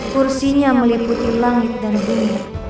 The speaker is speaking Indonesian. kursinya meliputi langit dan bunyi